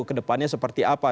kedepannya seperti apa